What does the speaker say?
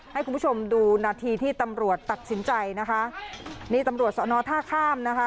ให้คุณผู้ชมดูนาทีที่ตำรวจตัดสินใจนะคะนี่ตำรวจสอนอท่าข้ามนะคะ